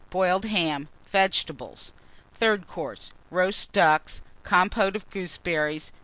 Boiled Ham. Vegetables. THIRD COURSE. Roast Ducks. Compôte of Gooseberries.